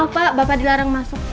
pak bapak dilarang masuk